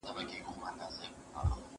زه به سبا انځورونه رسم کړم!